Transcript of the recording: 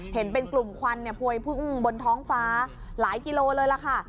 เห็นเป็นกลุ่มควันเนี่ยพวยพุ่งบนท้องฟ้าหลายกิโลเลยล่ะค่ะ